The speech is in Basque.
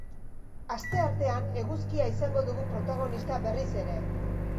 Asteartean, eguzkia izango dugu protagonista berriz ere.